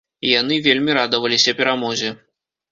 Яны вельмі радаваліся перамозе.